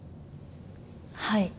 はい。